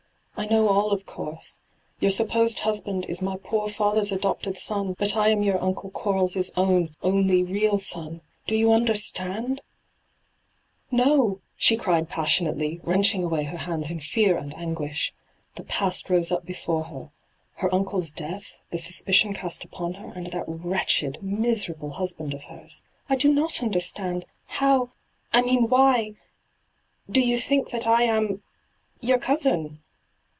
' I know all, of course. Your supposed husband is my poor father's adopted son ; but I am your uncle Quarles' own, only real son. Do you understand V ' No 1' she cried passionately, wrenching away her hands in fear and anguish. The past rose up before her — her uncle's death, the suspicion cast upon her, and that wretched, miserable husband of hers. ' I do not under stand I How — I mean why— do you think that I am — your cousin